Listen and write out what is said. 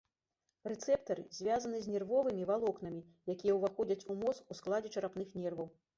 Рэцэптары звязаны з нервовымі валокнамі, якія ўваходзяць у мозг у складзе чарапных нерваў.